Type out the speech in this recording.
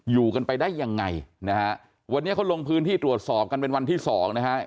อยู่กันไปได้ยังไงนะฮะวันนี้เขาลงพื้นที่ตรวจสอบกันเป็นวันที่สองนะฮะ